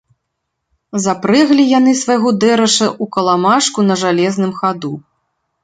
Запрэглі яны свайго дэраша ў каламажку на жалезным хаду.